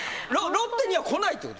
ロッテには来ないってこと？